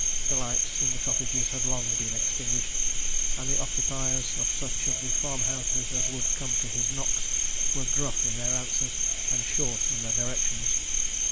The lights in the cottages had long been extinguished, and the occupiers of such of the farmhouses as would come to his knocks were gruff in their answers, and short in their directions.